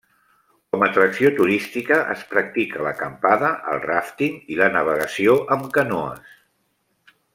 Com atracció turística es practica l’acampada, el ràfting i la navegació amb canoes.